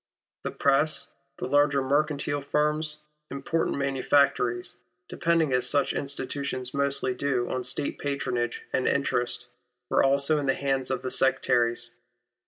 The press, the larger mercantile firms, important manufactories, depending as such institutions mostly do on State patronage and interest, were also in the hands of the Sectaries.